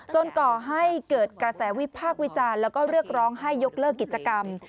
ก่อให้เกิดกระแสวิพากษ์วิจารณ์แล้วก็เรียกร้องให้ยกเลิกกิจกรรม